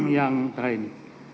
yang terakhir ini